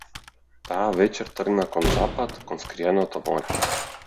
Таа вечер тргна кон запад, кон скриеното море.